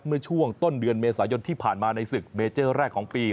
เมื่อช่วงต้นเดือนเมษายนที่ผ่านมาในศึกเมเจอร์แรกของปี